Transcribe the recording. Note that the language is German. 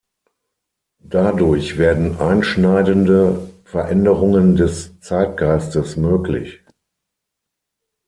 Dadurch werden einschneidende Veränderungen des Zeitgeistes möglich.